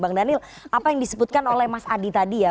bang daniel apa yang disebutkan oleh mas adi tadi ya